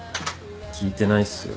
聞いてないっすよ。